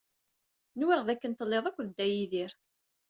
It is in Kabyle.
Nwiɣ dakken telliḍ akked Dda Yidir.